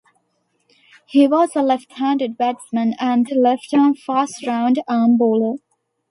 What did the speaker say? He was a left-handed batsman and left-arm fast round-arm bowler.